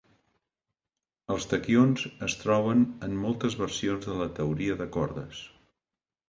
Els taquions es troben en moltes versions de la teoria de cordes.